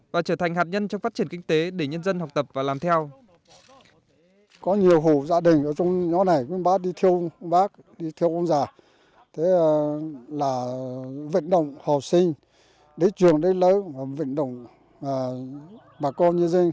và trở thành hạt nhân trong phát triển kinh tế để nhân dân học tập và làm theo